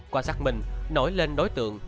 quan sát xác minh nổi lên đối tượng